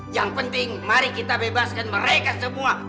yang penting mari kita bebaskan mereka semua